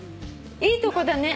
いいとこだね。